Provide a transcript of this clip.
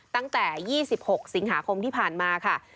ตั้งแต่๒๖สิงหาคมที่ผ่านมาค่ะ